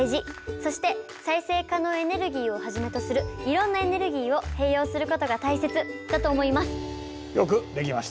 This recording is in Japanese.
そして再生可能エネルギーをはじめとするいろんなエネルギーを併用することが大切だと思います。